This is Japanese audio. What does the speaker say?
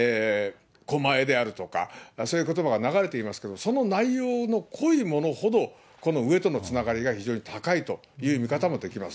狛江であるとか、そういうことばが流れていますけれども、その内容の濃いものほど、この上とのつながりが非常に高いという見方もできます。